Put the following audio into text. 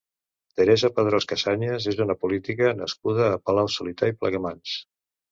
Teresa Padrós Casañas és una política nascuda a Palau-solità i Plegamans.